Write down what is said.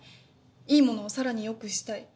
いいものを更によくしたい。